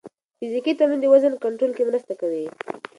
فزیکي تمرین د وزن کنټرول کې مرسته کوي.